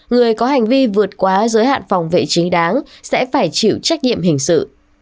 người có hành vi vượt quá giới hạn phòng vệ chính đáng sẽ phải chịu trách nhiệm hình sự